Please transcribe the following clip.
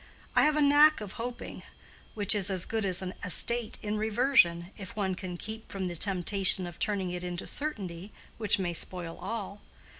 I have a knack of hoping, which is as good as an estate in reversion, if one can keep from the temptation of turning it into certainty, which may spoil all.